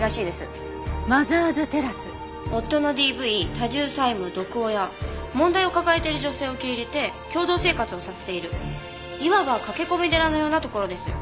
夫のＤＶ多重債務毒親問題を抱えている女性を受け入れて共同生活をさせているいわば駆け込み寺のようなところです。